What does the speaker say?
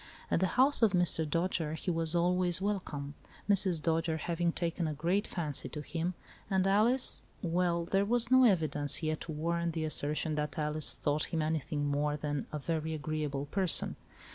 At the house of Mr. Dojere he was always welcome, Mrs. Dojere having taken a great fancy to him, and Alice — well, there was no evidence yet to warrant the assertion that Alice thought him anything more than a very agreeable person.